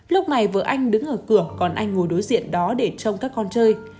lúc này vợ anh đứng ở cửa còn anh ngồi đối diện đó để trông các con chơi